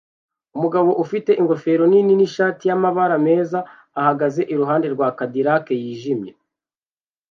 Umugabo ufite ingofero nini nishati yamabara meza ahagaze iruhande rwa Cadillac yijimye